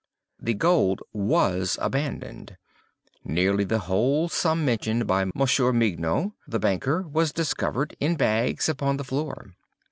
The gold was abandoned. Nearly the whole sum mentioned by Monsieur Mignaud, the banker, was discovered, in bags, upon the floor.